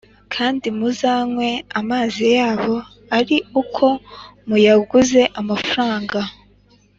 kandi muzanywe amazi yabo ari uko muyaguze amafaranga.